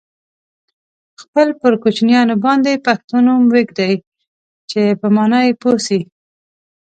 خپل پر کوچنیانو باندي پښتو نوم ویږدوی چې په مانا یې پوه سی.